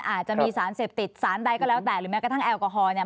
อาจจะมีสารเสพติดสารใดก็แล้วแต่หรือแม้กระทั่งแอลกอฮอล์เนี่ย